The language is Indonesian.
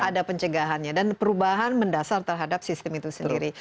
ada pencegahannya dan perubahan mendasar terhadap sistem itu sendiri